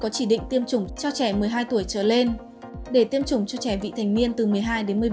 chỉ định tiêm chủng cho trẻ một mươi hai tuổi trở lên để tiêm chủng cho trẻ vị thành niên từ một mươi hai đến một mươi bốn